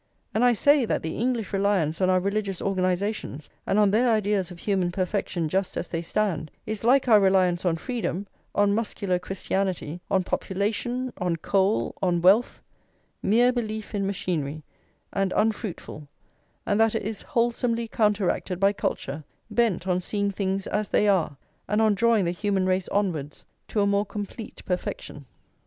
And I say that the English reliance on our religious organisations and on their ideas of human perfection just as they stand, is like our reliance on freedom, on muscular Christianity, on population, on coal, on wealth, mere belief in machinery, and unfruitful; and that it is wholesomely counteracted by culture, bent on seeing things as they are, and on drawing the human race onwards to a more complete perfection.